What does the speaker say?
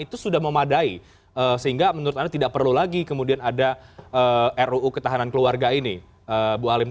itu sudah memadai sehingga menurut anda tidak perlu lagi kemudian ada ruu ketahanan keluarga ini bu halim